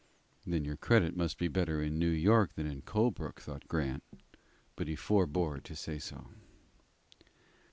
"Then your credit must be better in New York than in Colebrook," thought Grant, but he fore bore to say so.